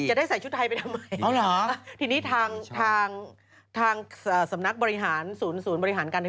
จะได้ใส่ชุดไทยไปทำใหม่ดี